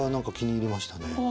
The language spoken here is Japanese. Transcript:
これ気に入りましたね。